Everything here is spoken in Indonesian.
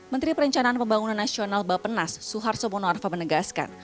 menteri perencanaan pembangunan nasional bapenas suhar soebono arfa menegaskan